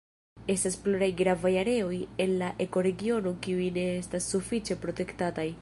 Estas pluraj gravaj areoj en la ekoregiono kiuj ne estas sufiĉe protektataj.